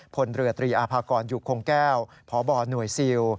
พลเรือตรีอาภากรอยู่คงแก้วพบหน่วยซิล